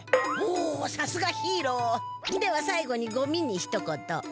おおさすがヒーロー！ではさい後にごみにひと言。